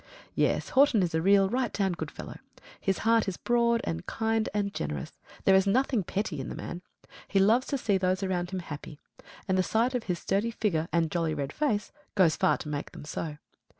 Yes, Horton is a real right down good fellow. His heart is broad and kind and generous. There is nothing petty in the man. He loves to see those around him happy; and the sight of his sturdy figure and jolly red face goes far to make them so.